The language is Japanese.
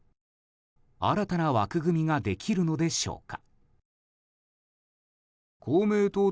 新たな枠組みができるのでしょうか。